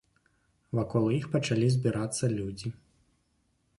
Вакол іх пачалі збірацца людзі.